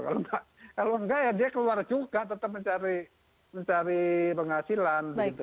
kalau enggak ya dia keluar juga tetap mencari penghasilan